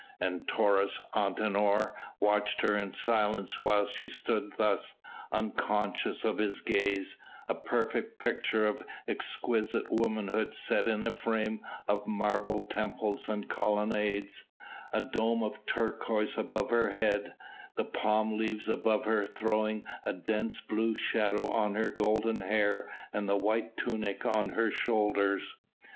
And Taurus Antinor watched her in silence whilst she stood thus, unconscious of his gaze, a perfect picture of exquisite womanhood set in a frame of marble temples and colonnades, a dome of turquoise above her head, the palm leaves above her throwing a dense blue shadow on her golden hair and the white tunic on her shoulders.